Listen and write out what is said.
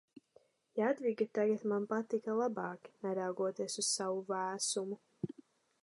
Jadviga tagad man patika labāk, neraugoties uz savu vēsumu.